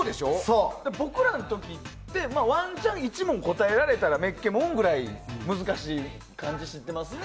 僕らの時、ワンチャン１問答えられたらめっけもんってくらい難しい感じですね。